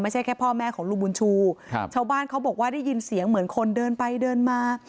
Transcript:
แค่พ่อแม่ของลุงบุญชูครับชาวบ้านเขาบอกว่าได้ยินเสียงเหมือนคนเดินไปเดินมา